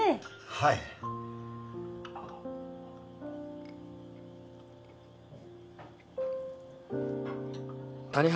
はい谷原